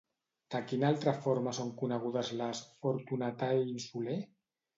De quina altra forma són conegudes les Fortunatae Insulae?